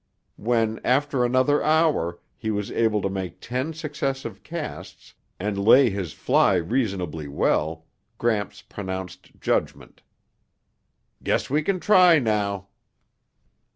When, after another hour, he was able to make ten successive casts and lay his fly reasonably well, Gramps pronounced judgment, "Guess we can try now."